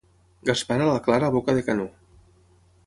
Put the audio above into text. Gaspar a la Clara a boca de canó—.